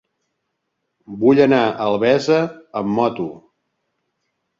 Vull anar a Albesa amb moto.